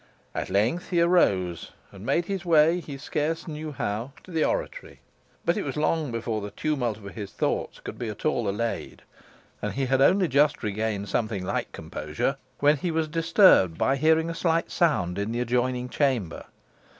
At length he arose, and made his way, he scarce knew how, to the oratory. But it was long before the tumult of his thoughts could be at all allayed, and he had only just regained something like composure when he was disturbed by hearing a slight sound in the adjoining chamber.